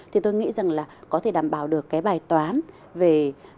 thì tôi nghĩ rằng là có thể đảm bảo được cái bài toán về